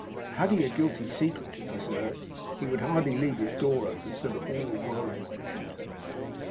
Had he a guilty secret to preserve, he would hardly leave his door open so that all the world might enter.